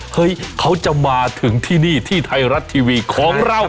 เฮ้ยเขาจะมาถึงที่นี่ที่ไทยรัฐทีวีของเรา